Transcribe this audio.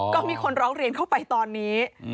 ก็มีคนร้องเรียนเข้าไปตอนนี้